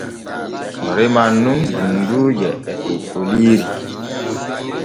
O reman nun dunduuje e kokkoliiri.